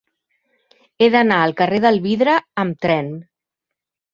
He d'anar al carrer del Vidre amb tren.